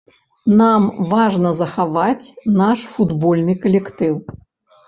Нам важна захаваць наш футбольны калектыў.